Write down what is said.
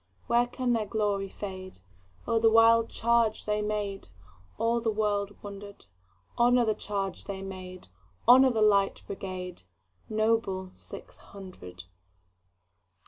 When can their glory fade?O the wild charge they made! All the world wonder'd. Honor the charge they made! Honor the Light Brigade, Noble six hundred!